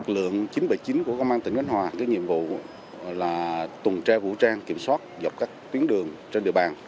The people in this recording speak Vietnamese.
lượng chín trăm bảy mươi chín của công an tỉnh khánh hòa nhiệm vụ là tuần tra vũ trang kiểm soát dọc các tuyến đường trên địa bàn